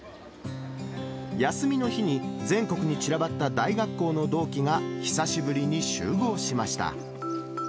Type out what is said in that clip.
休みの日に、全国にちらばった大学校の同期が久しぶりに集合しました。